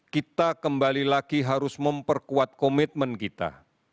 kita kembali lagi harus memperkuat komitmen kita